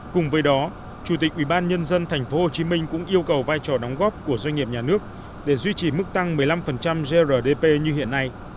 cùng với đó chủ tịch ubnd tp hcm cũng yêu cầu vai trò đóng góp của doanh nghiệp nhà nước để duy trì mức tăng một mươi năm grdp như hiện nay